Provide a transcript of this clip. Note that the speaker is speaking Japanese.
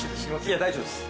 いや大丈夫です。